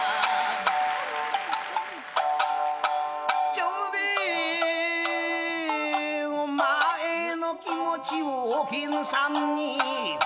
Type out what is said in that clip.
「長兵衛お前の気持ちをおきんさんに」